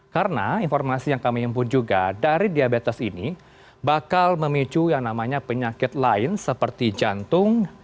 karena informasi yang kami himpun juga dari diabetes ini bakal memicu yang namanya penyakit lain seperti jantung